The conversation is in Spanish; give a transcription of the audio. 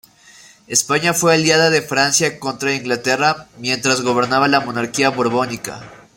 España fue aliada de Francia contra Inglaterra mientras gobernaba la monarquía borbónica.